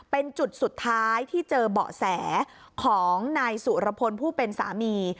เป็นจุดสุดท้ายที่เจอเบาะแสของนายสุรพลผู้เป็นสามี